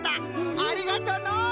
ありがとのう！